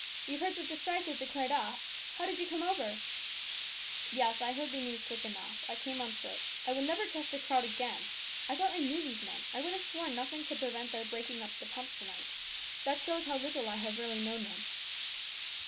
You've heard that the strike is declared off? How did you come over ?"" Yes ; I heard the news quick enough. I came on foot. I will never trust a crowd again. I thought I knew these men. I would have sworn nothing AN ORATOR. 275 could prevent their breaking up the pumps to night. That shows how little I have really known them."